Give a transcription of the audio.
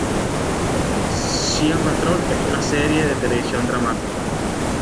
Sea Patrol es una serie de televisión dramática.